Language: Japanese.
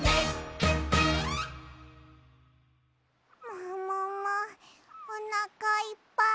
もももおなかいっぱい。